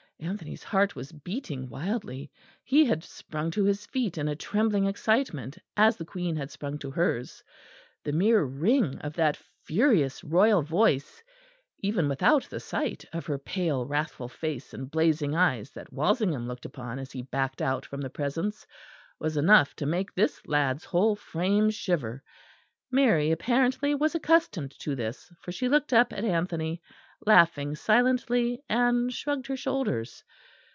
Anthony's heart was beating wildly. He had sprung to his feet in a trembling excitement as the Queen had sprung to hers. The mere ring of that furious royal voice, even without the sight of her pale wrathful face and blazing eyes that Walsingham looked upon as he backed out from the presence, was enough to make this lad's whole frame shiver. Mary apparently was accustomed to this; for she looked up at Anthony, laughing silently, and shrugged her shoulders.